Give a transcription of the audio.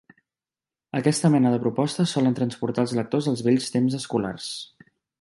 Aquesta mena de propostes solen transportar els lectors als vells temps escolars.